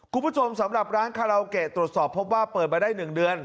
คุณผู้ชมสำหรับร้านคาราโอเกะตรวจสอบพบว่าเปิดมาได้๑เดือน